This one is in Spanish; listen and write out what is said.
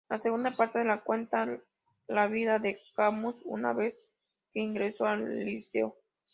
La segunda parte cuenta la vida de Camus una vez que ingresó al Liceo.